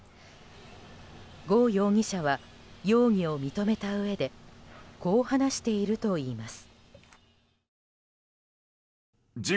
ゴ容疑者は容疑を認めたうえでこう話しているといいます。